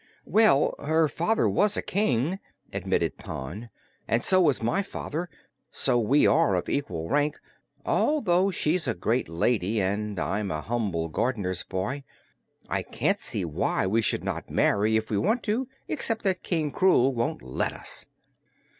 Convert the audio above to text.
"Well, her father was a King," admitted Pon, "and so was my father; so we are of equal rank, although she's a great lady and I'm a humble gardener's boy. I can't see why we should not marry if we want to except that King Krewl won't let us."